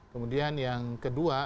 kemudian yang kedua